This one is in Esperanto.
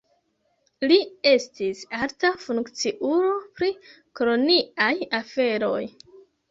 Li estis alta funkciulo pri koloniaj aferoj.